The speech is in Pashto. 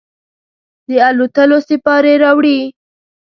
د الوتلوسیپارې راوړي